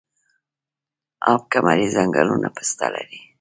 اب کمري ځنګلونه پسته لري؟